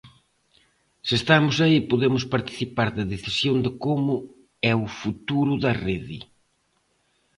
Se estamos aí podemos participar da decisión de como é o futuro da rede.